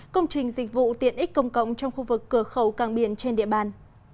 công trình dịch vụ tiện ích công cộng trong khu vực cửa khẩu càng biển trên địa bàn